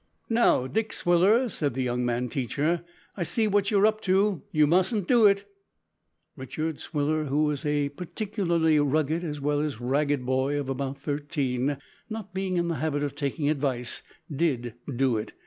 "Now, Dick Swiller," said the young man teacher, "I see what you're up to. You mustn't do it!" Richard Swiller, who was a particularly rugged as well as ragged boy of about thirteen, not being in the habit of taking advice, did do it.